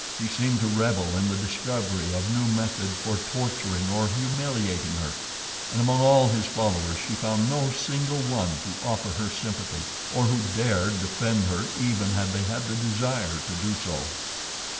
He seemed to revel in the discovery of new methods for torturing or humiliating her, and among all his followers she found no single one to offer her sympathy, or who dared defend her, even had they had the desire to do so.